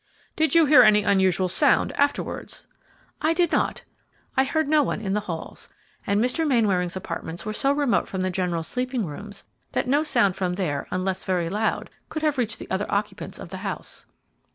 "Did you hear any unusual sound afterwards?" "I did not. I heard no one in the halls; and Mr. Mainwaring's apartments were so remote from the general sleeping rooms that no sound from there, unless very loud, could have reached the other occupants of the house."